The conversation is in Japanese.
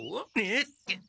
えっ。